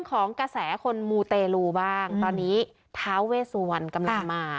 ของกระแสคนมูเตลูบ้างตอนนี้ท้าเวสุวรรณกำลังมา